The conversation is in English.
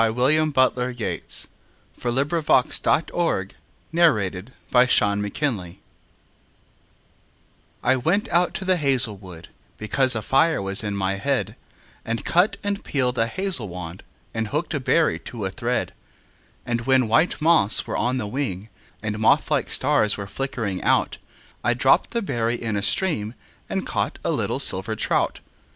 William Butler Yeats The Song of Wandering Aengus I WENT out to the hazel wood, Because a fire was in my head, And cut and peeled a hazel wand, And hooked a berry to a thread; And when white moths were on the wing, And moth like stars were flickering out, I dropped the berry in a stream And caught a little silver trout.